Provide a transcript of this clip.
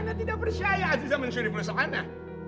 ana tidak percaya aziza mencuri pelusa ana